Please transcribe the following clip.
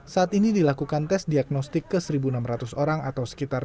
saat ini dilakukan tes diagnostik ke satu enam ratus orang atau sekitar